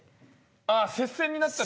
ああ接戦になったら違う？